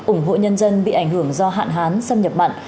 ủng hộ nhân dân bị ảnh hưởng do hạn hán xâm nhập mặn